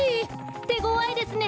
てごわいですね！